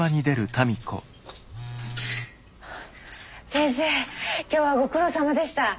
先生今日はご苦労さまでした。